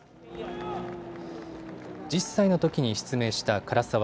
１０歳のときに失明した唐澤。